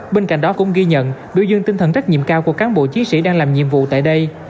bên cạnh đó cũng ghi nhận biểu dương tinh thần trách nhiệm cao của cán bộ chiến sĩ đang làm nhiệm vụ tại đây